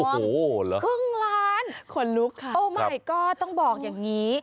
โอ้โหหรือเปล่าครึ่งล้านโอ้มายก๊อดต้องบอกอย่างนี้